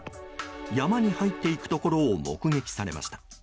山に入っていくところを目撃されました。